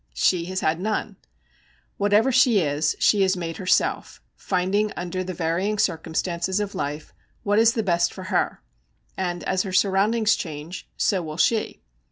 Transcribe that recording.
She has had none. Whatever she is, she has made herself, finding under the varying circumstances of life what is the best for her; and as her surroundings change, so will she.